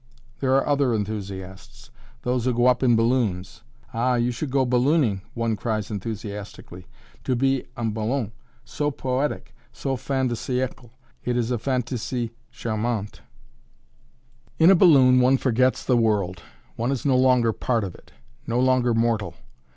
There are other enthusiasts those who go up in balloons! "Ah, you should go ballooning!" one cries enthusiastically, "to be 'en ballon' so poetic so fin de siècle! It is a fantaisie charmante!" In a balloon one forgets the world one is no longer a part of it no longer mortal.